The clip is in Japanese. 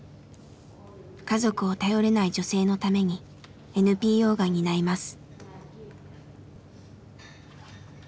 家族を頼れない女性のためにＮＰＯが担います。